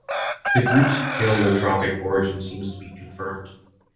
The group’s paleotropical origin seems to be confirmed.